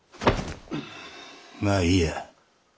まあいいや。